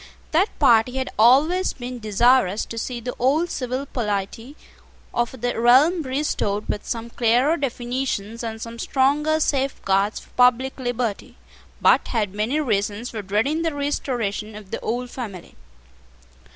That party had always been desirous to see the old civil polity of the realm restored with some clearer definitions and some stronger safeguards for public liberty, but had many reasons for dreading the restoration of the old family.